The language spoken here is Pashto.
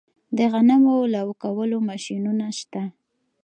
د غنمو لو کولو ماشینونه شته